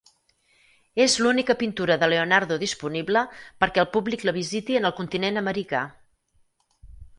És l'única pintura de Leonardo disponible perquè el públic la visiti en el continent americà.